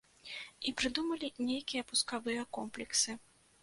І прыдумалі нейкія пускавыя комплексы.